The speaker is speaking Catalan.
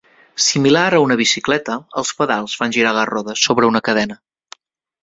Similar a una bicicleta, els pedals fan girar les rodes sobre una cadena.